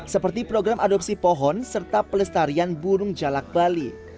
seperti program adopsi pohon serta pelestarian burung jalak bali